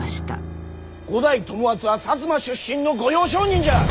五代友厚は摩出身の御用商人じゃ！